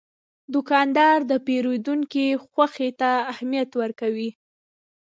دوکاندار د پیرودونکي خوښي ته اهمیت ورکوي.